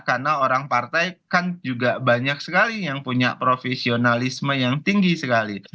karena orang partai kan juga banyak sekali yang punya profesionalisme yang tinggi sekali